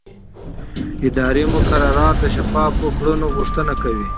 اداري مقررات د شفافو کړنو غوښتنه کوي.